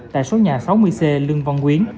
tại số nhà sáu mươi c lương văn quyến